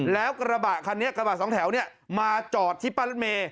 แล้วกระบะคันนี้กระบะสองแถวเนี่ยมาจอดที่ป้ายรถเมย์